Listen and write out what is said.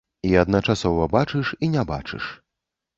І адначасова бачыш, і не бачыш.